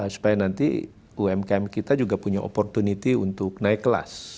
supaya nanti umkm kita juga punya opportunity untuk naik kelas